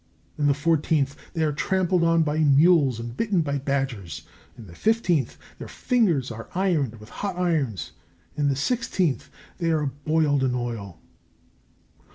In the fourteenth, they are trampled on by mules and bitten by badgers. In the fifteenth, their fingers are ironed with hot irons. In the sixteenth, they are boiled in oil.